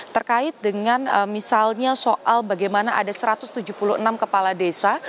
terkait dengan misalnya soal bagaimana ada satu ratus tujuh puluh enam kepala desa